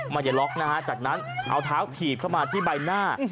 มันจะล็อกจากนั้นเอาเท้าถีบเข้ามาที่ใบหน้า